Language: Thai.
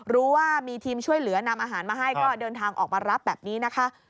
รู้ว่ามีทีมช่วยเหลือนำอาหารมาให้ก็เดินทางออกมารับแบบนี้นะคะ